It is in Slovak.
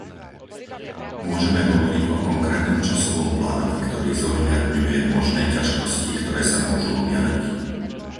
Môžeme hovoriť o konkrétnom časovom pláne, ktorý zohľadňuje možné ťažkosti, ktoré sa môžu objaviť?